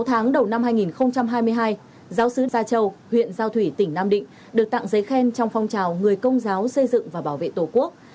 sáu tháng đầu năm hai nghìn hai mươi hai giáo sứ gia châu huyện giao thủy tỉnh nam định được tặng giấy khen trong phong trào người công giáo xây dựng và bảo vệ tổ quốc